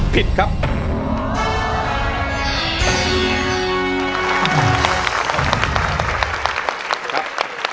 ผิดครับ